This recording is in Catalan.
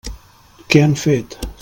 Què han fet?